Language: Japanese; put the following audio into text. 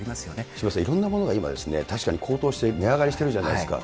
渋谷さん、いろんなものが今、確かに高騰して、値上がりしてるじゃないですか。